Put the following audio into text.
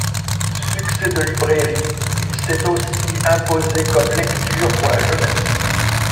Succès de librairie, il s'est aussi imposé comme lecture pour la jeunesse.